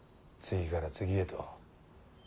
次から次へと。